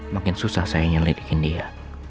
makin susah saya ingin lidikin dia